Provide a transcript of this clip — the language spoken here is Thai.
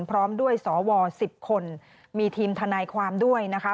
พร้อมด้วยสว๑๐คนมีทีมทนายความด้วยนะคะ